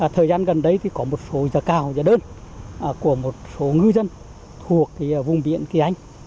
thời gian gần đây thì có một số giả cao giả đơn của một số ngư dân thuộc vùng biển kỳ anh